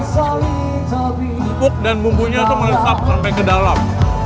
sipuk dan bumbunya itu melesap sampai ke dalam